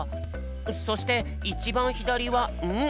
そしていちばんひだりはん？